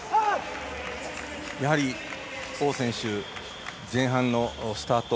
やはり王選手前半のスタート